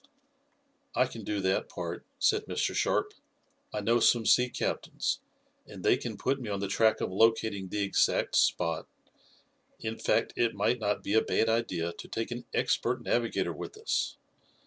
"I can do that part," said Mr. Sharp. "I know some sea captains, and they can put me on the track of locating the exact spot. In fact, it might not be a bad idea to take an expert navigator with us.